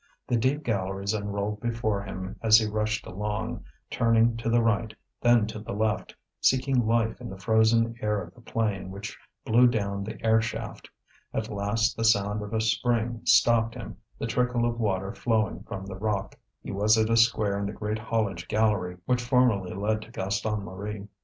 The deep galleries unrolled before him as he rushed along, turning to the right, then to the left, seeking life in the frozen air of the plain which blew down the air shaft. At last the sound of a spring stopped him, the trickle of water flowing from the rock. He was at a square in the great haulage gallery which formerly led to Gaston Marie.